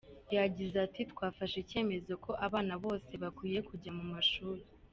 Yagize ati :”…Twafashe icyemezo ko abana bose bakwiye kujya mu mashuri.